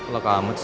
loh kelamet sih